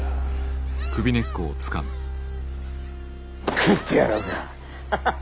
食ってやろうか！